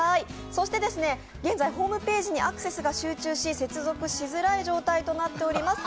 そして現在ホームページにアクセスが集中し接続しづらい状態となっております。